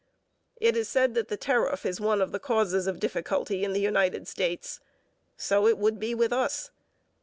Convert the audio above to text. It is said that the tariff is one of the causes of difficulty in the United States. So it would be with us.